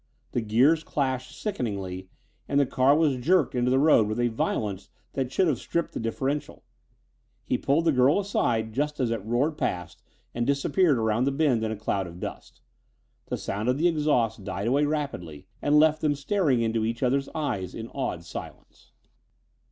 The gears clashed sickeningly and the car was jerked into the road with a violence that should have stripped the differential. He pulled the girl aside just as it roared past and disappeared around the bend in a cloud of dust. The sound of the exhaust died away rapidly and left them staring into each other's eyes in awed silence.